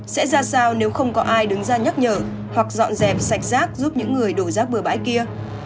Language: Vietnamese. sẽ ra sao nếu không có ai đứng ra nhắc nhở hoặc dọn dẹp sạch rác giúp những người đổ rác bừa bãi kia